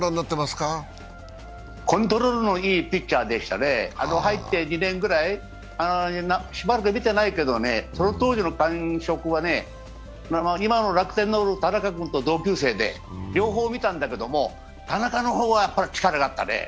コントロールのいいピッチャーでしたね、入って２年ぐらい、しばらく見てないけどね、その当時の感触はね、今の楽天の田中君と同級生で両方見たんだけれども、田中の方はやっぱり力があったね。